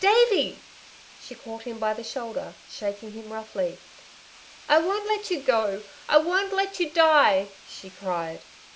"Davey!" She caught him by the shoulder, shaking him roughly. "I won't let you go! I won't let you die!" she cried.